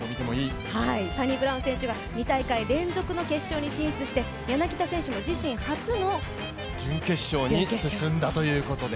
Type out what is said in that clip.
サニブラウン選手が２大会連続の決勝進出して、柳田選手も自身初の準決勝に進んだということで。